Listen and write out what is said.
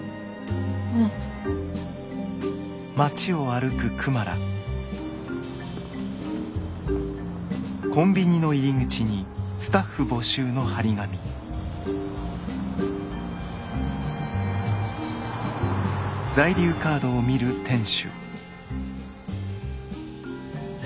うん。え？